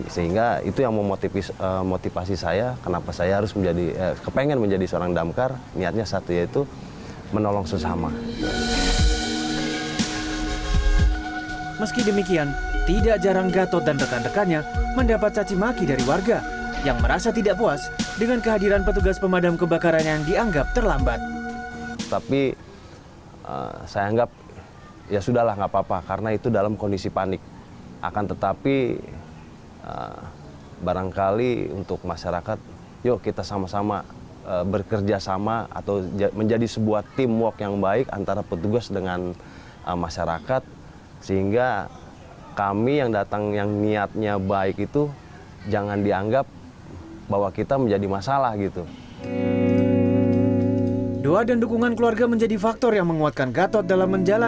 sehingga itu yang memotivasi saya kenapa saya harus menjadi kepengen menjadi seorang damkar niatnya satu yaitu menolong sesama